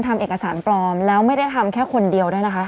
ทำเอกสารปลอมแล้วไม่ได้ทำแค่คนเดียวด้วยนะคะ